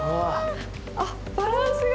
あっバランスが。